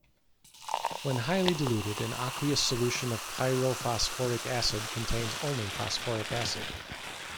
When highly diluted, an aqueous solution of pyrophosphoric acid contains only phosphoric acid.